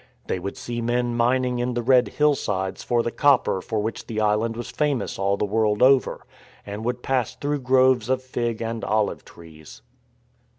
They would see men mining in the red hillsides for the copper for which the island was famous all the world over ; and would pass through groves of fig and olive trees.